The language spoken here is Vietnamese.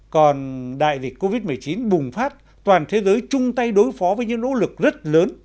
còn đại dịch covid một mươi chín bùng phát toàn thế giới chung tay đối phó với những nỗ lực rất lớn